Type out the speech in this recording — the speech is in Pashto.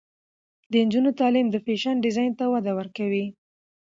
د نجونو تعلیم د فیشن ډیزاین ته وده ورکوي.